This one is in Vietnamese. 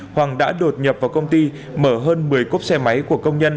hoàng đã đột nhập vào công ty mở hơn một mươi cốp xe máy của công nhân